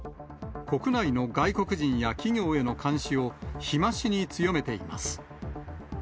国内の外国人や企業への監視を、日増しに強めています。